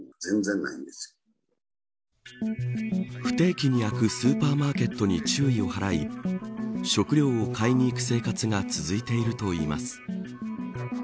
不定期に開くスーパーマーケットに注意を払い食料を買いに行く生活が続いているといいます。